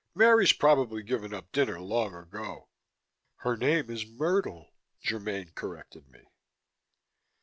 "Mary's probably given up dinner long ago." "Her name is Myrtle," Germaine corrected me.